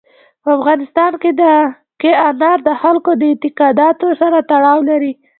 په افغانستان کې انار د خلکو د اعتقاداتو سره تړاو لري.